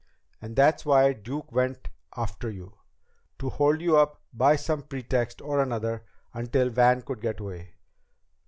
And that's why Duke went after you, to hold you up by some pretext or another until Van could get away.